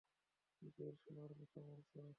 কীসের, সোনার কথা বলছো?